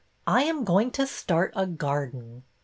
I am going to start a garden."